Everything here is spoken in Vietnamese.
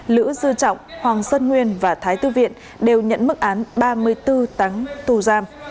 lữ dư trọng hoàng sơn nguyên và thái tư viện đều nhận mức án ba mươi bốn tháng tù giam